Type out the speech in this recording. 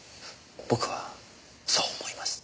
僕はそう思います。